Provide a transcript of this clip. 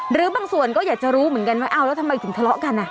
หรือบางส่วนก็อยากจะรู้เหมือนกันว่าอ้าวแล้วทำไมถึงทะเลาะกัน